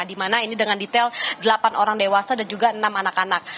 di mana ini dengan detail delapan orang dewasa dan juga enam anak anak